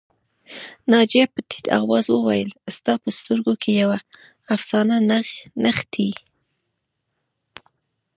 ناجیه په ټيټ آواز وویل ستا په سترګو کې یوه افسانه نغښتې